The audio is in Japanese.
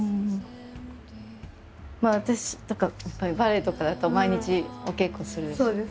私とかやっぱりバレエとかだと毎日お稽古するでしょ。